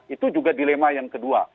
itu dilema yang kedua